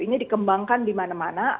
ini dikembangkan dimana mana